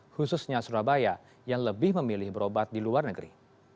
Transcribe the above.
khususnya surabaya yang lebih memilih berobat di luar negeri